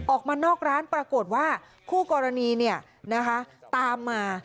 ออกมานอกร้านปรากฏว่าคู่กรณีตามมา